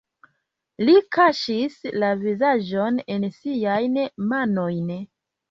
Li kaŝis la vizaĝon en siajn manojn.